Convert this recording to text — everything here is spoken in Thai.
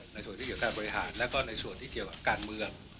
ในส่วนที่เกี่ยวการบริหารแล้วก็ในส่วนที่เกี่ยวกับการเมือง